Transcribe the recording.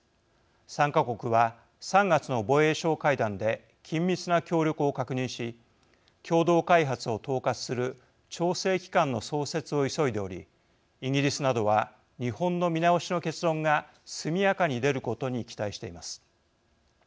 ３か国は３月の防衛相会談で緊密な協力を確認し共同開発を統括する調整機関の創設を急いでおりイギリスなどは日本の見直しの結論が速やかに出ることに期待しています。